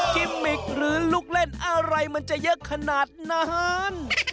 กิมมิกหรือลูกเล่นอะไรมันจะเยอะขนาดนั้น